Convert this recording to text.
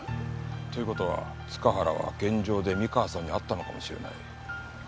という事は塚原は現場で三河さんに会ったのかもしれない。